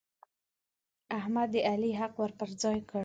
احمد د علي حق ور پر ځای کړ.